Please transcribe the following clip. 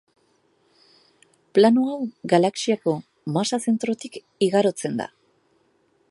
Plano hau galaxiako masa-zentrotik igarotzen da.